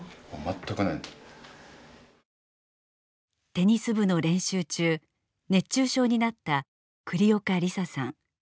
テニス部の練習中熱中症になった栗岡梨沙さん。